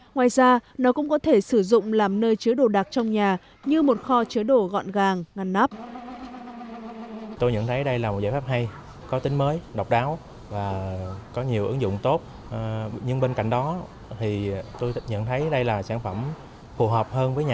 ngoài ra nó cũng có thể sử dụng làm nơi chứa đồ đạc trong nhà như một kho chứa đổ gọn gàng ngăn nắp